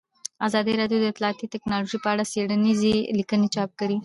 ازادي راډیو د اطلاعاتی تکنالوژي په اړه څېړنیزې لیکنې چاپ کړي.